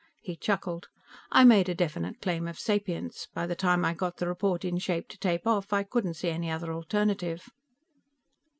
He chuckled. "I made a definite claim of sapience; by the time I got the report in shape to tape off, I couldn't see any other alternative."